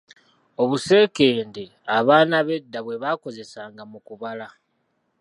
Obuseekende abaana b'edda bwe baakozesanga mu kubala.